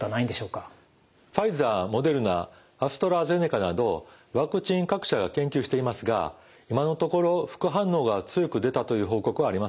ファイザーモデルナアストラゼネカなどワクチン各社が研究していますが今のところ副反応が強く出たという報告はありません。